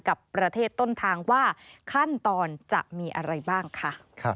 กับประเทศต้นทางว่าขั้นตอนจะมีอะไรบ้างค่ะ